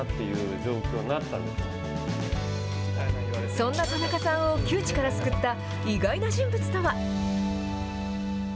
そんな田中さんを窮地から救った意外な人物とは。